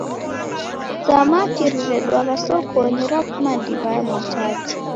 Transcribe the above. Samaki riredwagha sokonyi rafuma ndiw'a ya Mwatate.